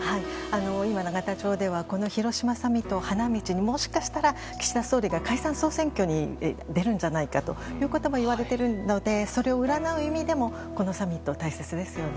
今、永田町では広島サミットを花道に、もしかしたら岸田総理が解散・総選挙に出るんじゃないかと言われているのでそれを占う意味でもこのサミットは大切ですよね